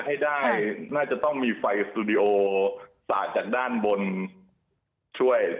ให้ได้น่าจะต้องมีไฟสตูดิโอสาดจากด้านบนช่วย